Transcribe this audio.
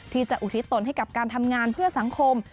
อุทิศตนให้กับการทำงานเพื่อสังคม